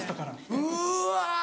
うわ！